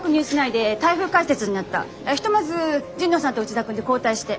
ひとまず神野さんと内田君で交代して。